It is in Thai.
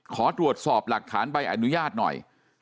ขอตรวจสอบหลักฐานใบอนุญาตหน่อย